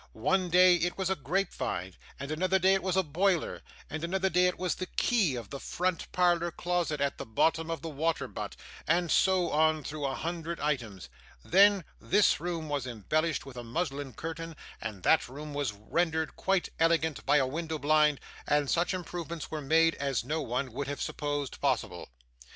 One day it was a grapevine, and another day it was a boiler, and another day it was the key of the front parlour closet at the bottom of the water butt, and so on through a hundred items. Then, this room was embellished with a muslin curtain, and that room was rendered quite elegant by a window blind, and such improvements were made, as no one would have supposed possible.